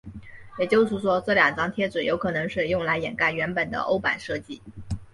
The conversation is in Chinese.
也就是说这两张贴纸有可能是用来掩盖原本的欧版设计。